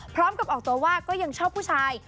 พร้อมกับออกตัวว่าก็ยังชอบผู้ชาย